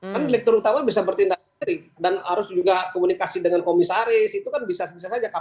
kan direktur utama bisa bertindak sendiri dan harus juga komunikasi dengan komisaris itu kan bisa saja kapan dia harus komunikasi